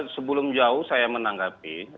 sebelum jauh saya menanggapi